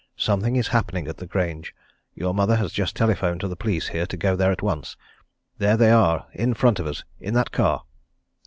"Something is happening at the Grange your mother has just telephoned to the police here to go there at once there they are in front of us, in that car!"